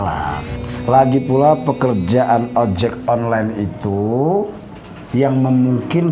masa direktur jadi tukang ojek ongkak